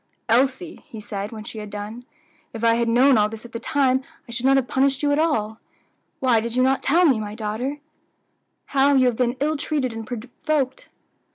"Elsie," he said when she had done, "if I had known all this at the time, I should not have punished you at all. Why did you not tell me, my daughter, how you have been ill treated and provoked?"